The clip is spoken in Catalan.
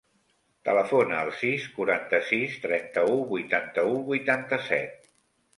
Telefona al sis, quaranta-sis, trenta-u, vuitanta-u, vuitanta-set.